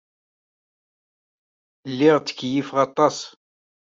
Lliɣ ttkeyyifeɣ aṭas.